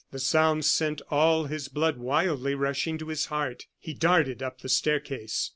The sound sent all his blood wildly rushing to his heart. He darted up the staircase.